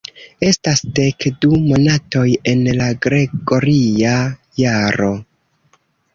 Estas dek du monatoj en la gregoria jaro.